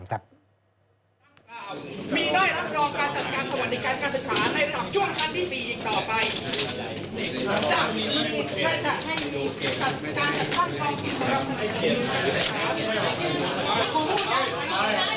ต้องยุติการปรากฏกล่างคัน